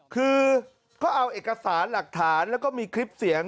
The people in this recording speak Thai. คือเขาเอาเอกสารหลักฐานแล้วก็มีคลิปเสียง